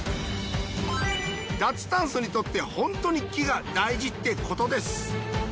脱炭素にとって本当に木が大事ってことです。